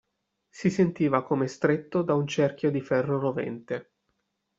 Si sentiva come stretto da un cerchio di ferro rovente.